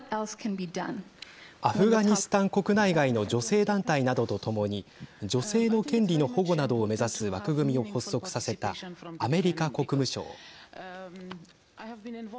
アフガニスタン国内外の女性団体などとともに女性の権利の保護などを目指す枠組みを発足させたアメリカ国務省。